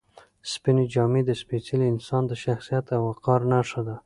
سپینې جامې د سپېڅلي انسان د شخصیت او وقار نښه ده.